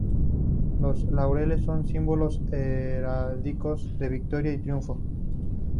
Los laureles son símbolos heráldicos de victoria y triunfo.